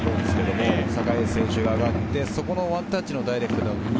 酒井選手が上がってワンタッチのダイレクト。